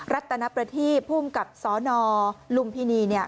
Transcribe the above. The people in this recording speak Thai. รัฐนประทีภูมิกับสนลุมพินี